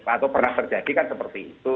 atau pernah terjadi kan seperti itu